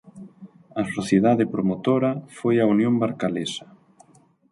A sociedade promotora foi a Unión Barcalesa.